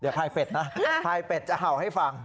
เดี๋ยวพายเป็ดนะภายเป็ดจะเห่าให้ฟัง